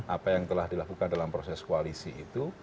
apa yang telah dilakukan dalam proses koalisi itu